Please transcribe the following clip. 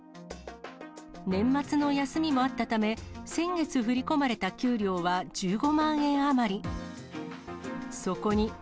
年末の休みもあったため、先月振り込まれた給料は１５万円余り。